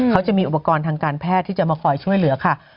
เขาจะมีอุปกรณ์ทางการแพทย์ที่จะมาคอยช่วยเหลือค่ะ